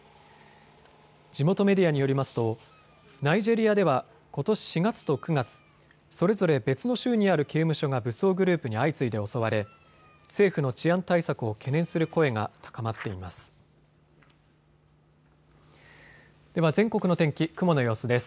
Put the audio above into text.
地元メディアによりますとナイジェリアではことし４月と９月、それぞれ別の州にある刑務所が武装グループに相次いで襲われ政府の治安対策を懸念する声が高まっています。